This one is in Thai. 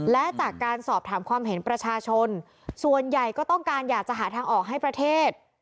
และจากการสอบถามความเห็นประชาชนส่วนใหญ่ก็ต้องการอยากจะหาทางออกให้ประเทศ